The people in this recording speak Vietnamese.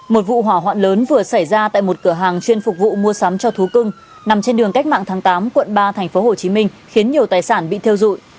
một vụ hỏa hoạn lớn vừa xảy ra tại một cửa hàng chuyên phục vụ mua sắm cho thú cưng nằm trên đường cách mạng tháng tám quận ba tp hcm khiến nhiều tài sản bị theo dụi